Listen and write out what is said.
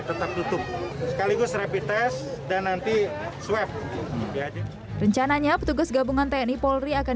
tetap tutup sekaligus rapi tes dan nanti suap rencananya petugas gabungan tni polri akan